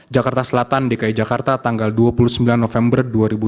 jakarta selatan dki jakarta tanggal dua puluh sembilan november dua ribu dua puluh